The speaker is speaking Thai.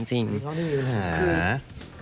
ห้องที่มีปัญหาคือ